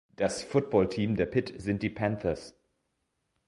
Das Footballteam der Pitt sind die "Panthers".